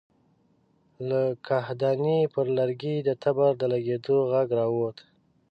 له کاهدانې پر لرګي د تبر د لګېدو غږ را ووت.